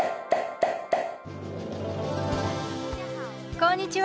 こんにちは。